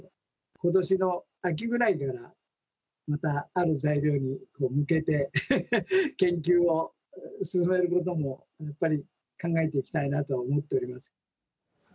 ことしの秋ぐらいには、またある材料に向けて、研究を進めることもやっぱり考えていきたいなと思っております。